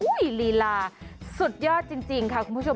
ลีลาสุดยอดจริงค่ะคุณผู้ชม